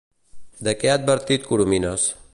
De què ha advertit Corominas?